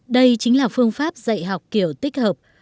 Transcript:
đây chính là phương pháp dạy học kiểu tích hợp